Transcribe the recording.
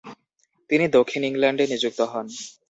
তিনি দক্ষিণ ইংল্যান্ডে নিযুক্ত হন।